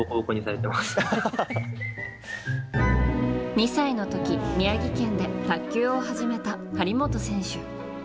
２歳の時、宮城県で卓球を始めた張本選手。